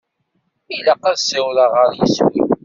Ilaq ad ssiwḍeɣ ɣer yeswi.